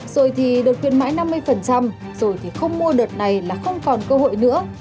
rồi thì đợt khuyến mãi năm mươi rồi thì không mua đợt này là không còn cơ hội nữa